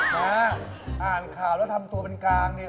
ฮ่าอ่านข่าวแล้วทำตัวเป็นกางนี่